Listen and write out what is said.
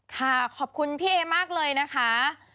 ขอบคุณพี่เอมากเลยนะคะ